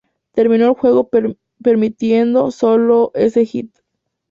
Terminó el juego permitiendo sólo ese hit.